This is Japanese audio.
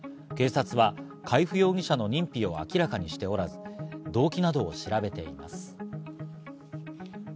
警察は海部容疑者の認否を明らかにしておらず、動機などを調べています。